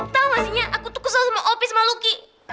tahu gak sih nya aku tuh kesal sama opi sama luki